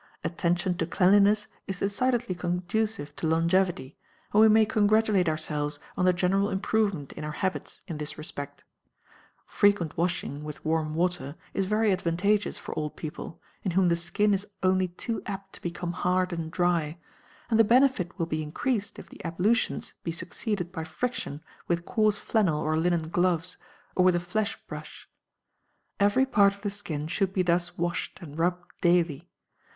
Attention to cleanliness is decidedly conducive to longevity, and we may congratulate ourselves on the general improvement in our habits in this respect. Frequent washing with warm water is very advantageous for old people, in whom the skin is only too apt to become hard and dry; and the benefit will be increased if the ablutions be succeeded by friction with coarse flannel or linen gloves, or with a flesh brush. Every part of the skin should be thus washed and rubbed daily.